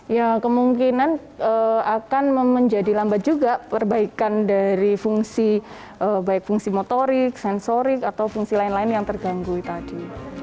ya kemungkinan akan menjadi lambat juga perbaikan dari fungsi baik fungsi motorik sensorik atau fungsi lain lain yang terganggu tadi